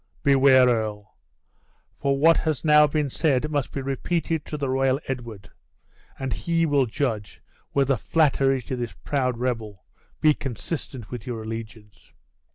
"Beware, earl! for what has now been said must be repeated to the royal Edward; and he will judge whether flattery to this proud rebel be consistent with your allegiance."